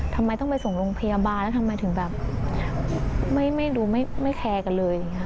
ทำไมต้องไปส่งไปโรงพยาบาลแล้วทำไมถึงแบบไม่รู้ไม่แคร์กันเลย